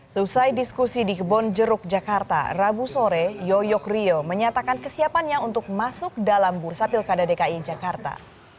selesai diskusi di kebon jeruk jakarta rabu sore yoyo ryo menyatakan kesiapannya untuk masuk dalam bursa pilkada dki jakarta